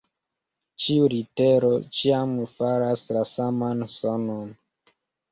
Ĉiu litero ĉiam faras la saman sonon.